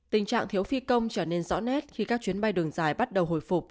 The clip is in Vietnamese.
tình trạng thiếu phi công trở nên rõ nét khi các chuyến bay đường dài bắt đầu hồi phục